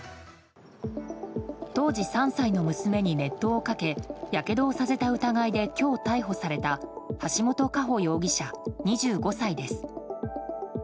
当時３歳の娘に熱湯をかけやけどをさせた疑いで今日逮捕された橋本佳歩容疑者、２５歳です。